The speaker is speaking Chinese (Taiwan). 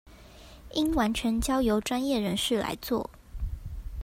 應完全交由專業人士來做